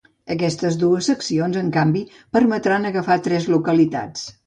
Aquestes dues seccions, en canvi, permetran agafar tres localitats.